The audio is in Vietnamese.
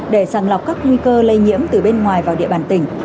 để sàng lọc các nguy cơ lây nhiễm từ bên ngoài vào địa bàn tỉnh